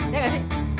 ya gak sih